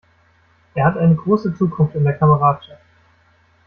Er hat eine große Zukunft in der Kameradschaft!